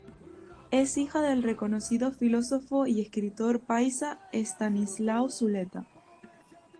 Es hija del reconocido filósofo y escritor paisa Estanislao Zuleta.